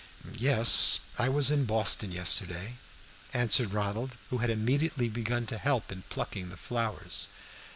"Yes, I was in Boston yesterday," answered Ronald, who had immediately begun to help in plucking the flowers.